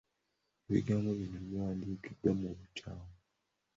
Ebigambo bino biwandiikiddwa mu bukyamu.